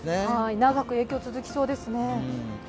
長く影響が続きそうですね。